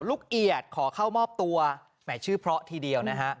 ลูกเอียดขอเข้ามอบตัวหน่ายชื่อพระทีเดียวนะฮะ